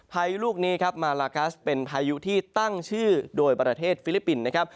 พายุลูกนี้ครับมาลากัสเป็นพายุที่ตั้งชื่อโดยประเทศฟิลิปปินส์นะครับ